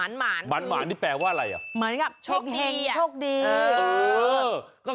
คุณผู้ชมชาวหน้าของเกี่ยวข้าวกัน